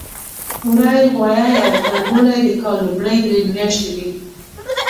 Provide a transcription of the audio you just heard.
وری ، غوایی او غبرګولی د کال لومړۍ درې میاتشې دي.